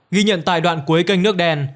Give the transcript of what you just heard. ghi nhận tại đoạn cuối kênh nước đen